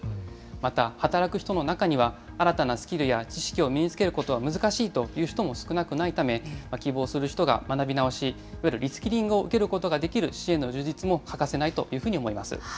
また、働く人の中には、新たなスキルや知識を身につけることは難しいという人も少なくないため、希望する人が学び直し、いわゆるリスキリングを受けることができる支援の充実も欠かせないというふうに思います。